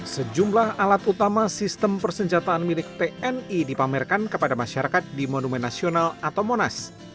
sejumlah alat utama sistem persenjataan milik tni dipamerkan kepada masyarakat di monumen nasional atau monas